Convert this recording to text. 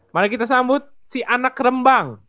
mari kita sambut si anak rembang